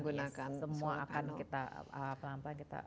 gunakan semua akan kita pelan pelan kita